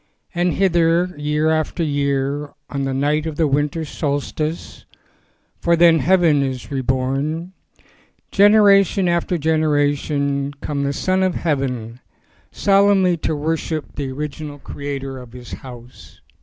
And hither, year after year, on the night of the winter solstice, for then heaven is reborn, generation after generation came the Son of Heaven solemnly to worship the original creator of his house.